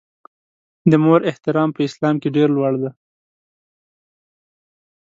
د مور احترام په اسلام کې ډېر لوړ دی.